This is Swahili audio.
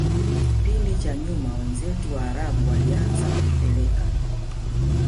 kipindi cha nyuma wenzetu waarabu walianza kumpeleka